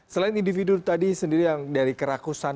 selain individu tadi sendiri yang dari kerakusan